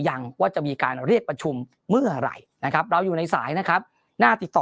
ยังว่าจะมีการเรียกประชุมเมื่อไหร่นะครับเราอยู่ในสายนะครับน่าติดต่อ